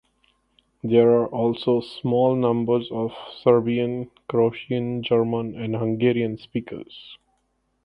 There are also small numbers of Serbian, Croatian, German, and Hungarian speakers.